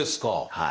はい。